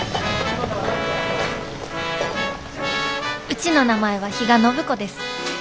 うちの名前は比嘉暢子です。